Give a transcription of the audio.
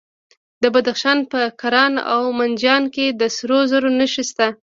د بدخشان په کران او منجان کې د سرو زرو نښې شته.